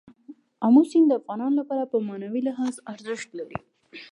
آمو سیند د افغانانو لپاره په معنوي لحاظ ارزښت لري.